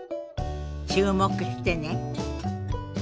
注目してね。